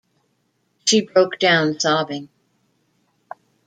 She broke down sobbing.